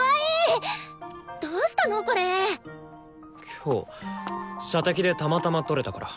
今日射的でたまたま取れたから。